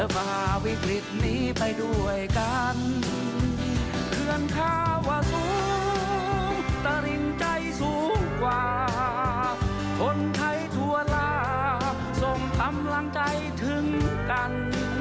ว่าสูงตริมใจสูงกว่าทนไทยทั่วลาส่งทำลังใจถึงกัน